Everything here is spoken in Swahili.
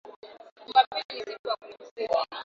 Kukaanga viungo vyako